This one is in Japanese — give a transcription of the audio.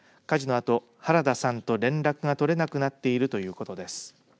あと原田さんと連絡が取れなくなっているということです。